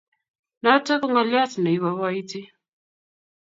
Notok ko ngoliot ne iboiboiti